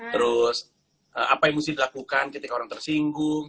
terus apa yang mesti dilakukan ketika orang tersinggung